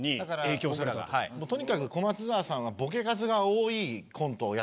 とにかく小松沢さんはボケ数が多いコントをやってたんですよ